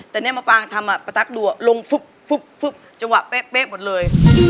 แต่เนี้ยมะปรางทำอะปะแต๊กดัวลงฟึบฟึบฟึบจังหวะเป๊ะหมดเลย